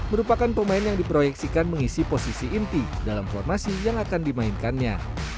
merupakan pemain yang diproyeksikan mengisi posisi inti dalam formasi yang akan dimainkannya